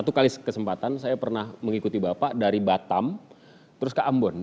satu kali kesempatan saya pernah mengikuti bapak dari batam terus ke ambon